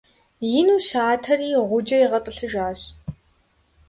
Ину щатэри, гъуджэр игъэтӀылъыжащ.